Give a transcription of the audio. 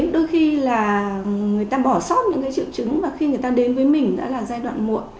đôi khi là người ta bỏ sót những cái triệu chứng và khi người ta đến với mình đã là giai đoạn muộn